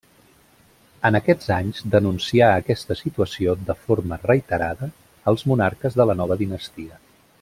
En aquests anys denuncià aquesta situació de forma reiterada als monarques de la nova dinastia.